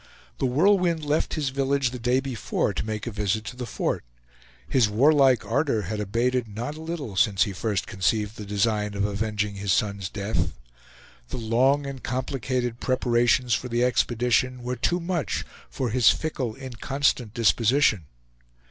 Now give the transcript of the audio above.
The Whirlwind left his village the day before to make a visit to the fort. His warlike ardor had abated not a little since he first conceived the design of avenging his son's death. The long and complicated preparations for the expedition were too much for his fickle, inconstant disposition.